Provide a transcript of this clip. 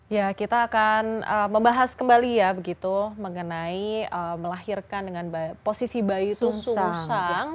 ya kita akan membahas kembali ya begitu mengenai melahirkan dengan posisi bayi tum tusang